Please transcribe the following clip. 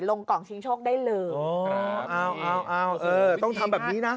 กล่องชิงโชคได้เลยอ๋อเอาเอาเออต้องทำแบบนี้นะ